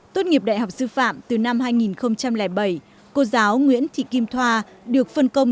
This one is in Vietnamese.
tốt nghiệp đại học sư phạm từ năm hai nghìn bảy cô giáo nguyễn thị kim thoa được phân công